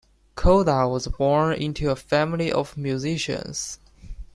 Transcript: Koda was born into a family of musicians.